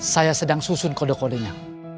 saya sedang susun kode kodenya